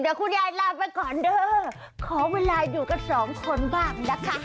เดี๋ยวคุณยายลาไปก่อนเด้อขอเวลาอยู่กันสองคนบ้างนะคะ